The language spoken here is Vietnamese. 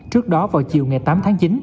trước đó vào chiều ngày tám tháng chín